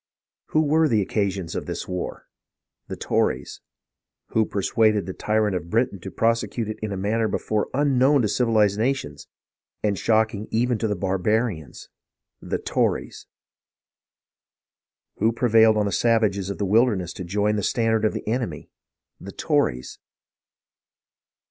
Who were the occasion of this war .■' The Tories ! Who persuaded the tyrant of Britain to prosecute it in a manner before unknown to civilized nations, and shocking even to barba rians ? The Tories ! Who prevailed on the savages of the wilderness to join the standard of the enemy.'' The Tories